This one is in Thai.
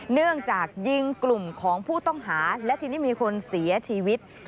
เนื่องจากยิงกลุ่มของผู้ต้องหาและทีนี้มีคนเสียชีวิต